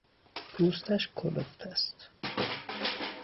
پوستش کلفت است.